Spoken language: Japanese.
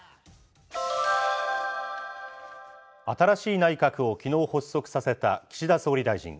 新しい内閣をきのう発足させた岸田総理大臣。